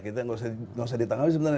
kita nggak usah ditanggapi sebenarnya